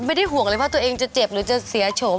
ไม่ได้ห่วงเลยว่าตัวเองจะเจ็บหรือจะเสียโฉม